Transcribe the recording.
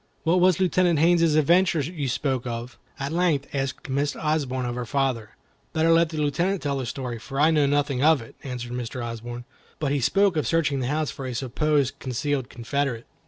"What was Lieutenant Haines's adventure you spoke of?" at length asked Miss Osborne of her father. "Better let the Lieutenant tell the story, for I know nothing of it," answered Mr. Osborne; "but he spoke of searching the house for a supposed concealed Confederate."